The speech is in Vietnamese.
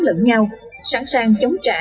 lẫn nhau sẵn sàng chống trả